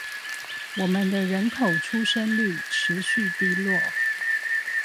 我們的人口出生率持續低落